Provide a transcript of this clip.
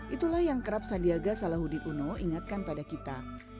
itulah yang kerap sandiaga salahuddin uno ingatkan pada kita